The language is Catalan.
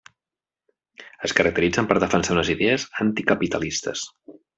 Es caracteritzen per defensar unes idees anticapitalistes.